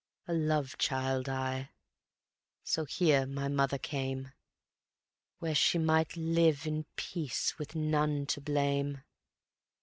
A love child I, so here my mother came, Where she might live in peace with none to blame.